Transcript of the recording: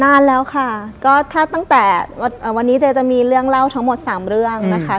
นานแล้วค่ะก็ถ้าตั้งแต่วันนี้เจ๊จะมีเรื่องเล่าทั้งหมดสามเรื่องนะคะ